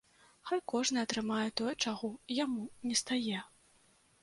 Хай кожны атрымае тое, чаго яму нестае.